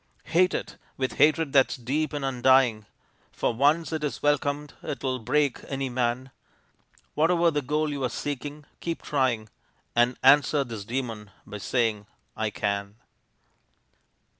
Hate it, with hatred that's deep and undying, For once it is welcomed 'twill break any man; Whatever the goal you are seeking, keep trying And answer this demon by saying: "I can."